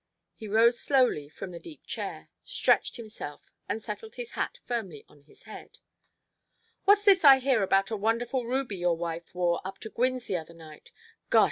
He rose slowly from the deep chair, stretched himself, and settled his hat firmly on his head. "What's this I hear about a wonderful ruby your wife wore up to Gwynne's the other night? Gosh!